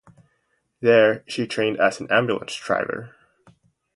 There she trained as an ambulance driver.